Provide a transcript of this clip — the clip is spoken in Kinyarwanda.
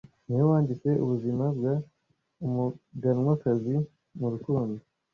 Ninde wanditse ubuzima bwa "Umuganwakazi mu rukundo"